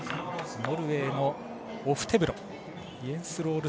ノルウェーのオフテブロ。